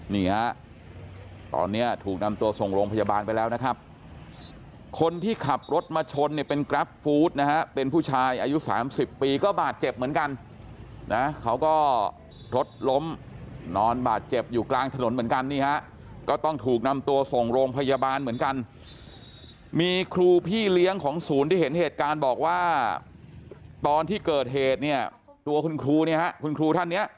นี่ฮะตอนนี้ถูกนำตัวส่งโรงพยาบาลไปแล้วนะครับคนที่ขับรถมาชนเนี่ยเป็นกราฟฟู้ดนะฮะเป็นผู้ชายอายุ๓๐ปีก็บาดเจ็บเหมือนกันนะเขาก็รถล้มนอนบาดเจ็บอยู่กลางถนนเหมือนกันนี่ฮะก็ต้องถูกนำตัวส่งโรงพยาบาลเหมือนกันมีครูพี่เลี้ยงของศูนย์ที่เห็นเหตุการณ์บอกว่าตอนที่เกิดเหตุเนี่ยตัวคุณครูเนี่ยฮะคุณครูท่านเนี่ย